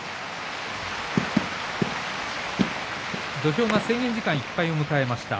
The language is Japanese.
土俵は制限時間いっぱいを迎えました。